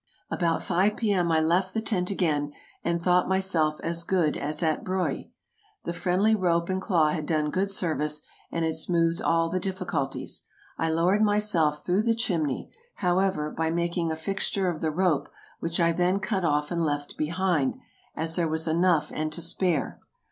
About five P.M. I left the tent again, and thought myself as good as at Breuil. The friendly rope and claw had done good service, and had smoothed all the difficulties. I low ered myself through the Chimney, however, by making a fixture of the rope, which I then cut off and left behind, as there was enough and to spare.